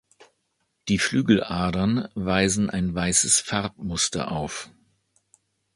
Die Flügeladern weisen ein weißes Farbmuster auf.